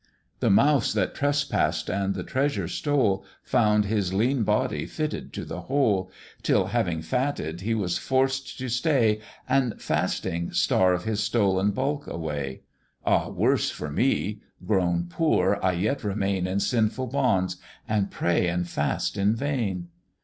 "The mouse that trespass'd and the treasure stole, Found his lean body fitted to the hole; Till, having fatted, he was forced to stay, And, fasting, starve his stolen bulk away: Ah ! worse for me grown poor, I yet remain In sinful bonds, and pray and fast in vain.